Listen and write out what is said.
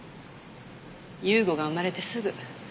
雄吾が生まれてすぐ。